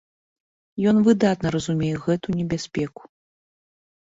Ён выдатна разумее гэту небяспеку.